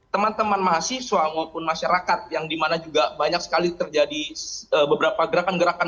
teman teman mahasiswa maupun masyarakat yang dimana juga banyak sekali terjadi beberapa gerakan gerakan